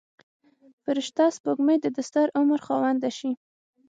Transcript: فرشته سپوږمۍ د دستر عمر خاونده شي.